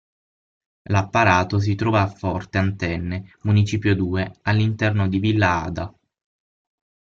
L'apparato si trova a Forte Antenne, Municipio II, all'interno di Villa Ada.